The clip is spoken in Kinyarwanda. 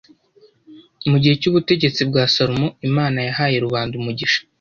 Mu gihe cy’ubutegetsi bwa Salomo Imana yahaye rubanda umugisha